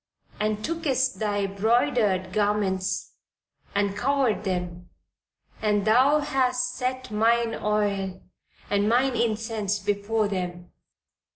And tookest thy broidered garments and covered them, and thou hast set mine oil and mine incense before them."